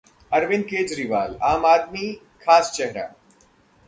अरविंद केजरीवाल: आम आदमी खास चेहरा